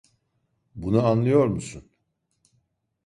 Bunu anlıyor musun?